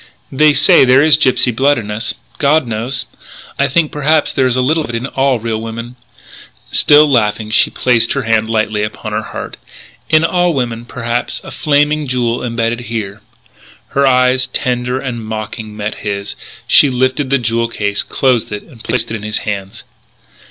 They say there is gypsy blood in us.... God knows.... I think perhaps there is a little of it in all real women " Still laughing she placed her hand lightly upon her heart "In all women perhaps a Flaming Jewel imbedded here " Her eyes, tender, and mocking, met his; she lifted the jewel case, closed it, and placed it in his hands.